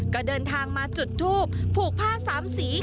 ก็เดินทางมาจุดทูบผูกผ้าสามสี